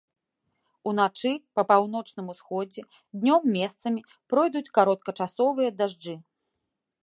Уначы па паўночным усходзе, днём месцамі пройдуць кароткачасовыя дажджы.